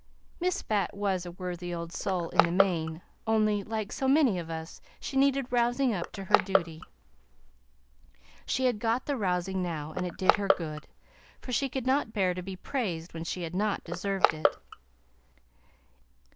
Miss Bat was a worthy old soul in the main, only, like so many of us, she needed rousing up to her duty. She had got the rousing now, and it did her good, for she could not bear to be praised when she had not deserved it.